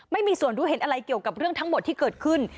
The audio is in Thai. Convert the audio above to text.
ไม่มีส่วนรู้เห็นอะไรเกี่ยวกับเรื่องทั้งหมดที่เกิดขึ้น